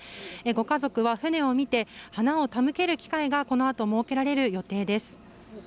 ご家族は船を見て花を手向ける機会がこのあと設けられる予定です。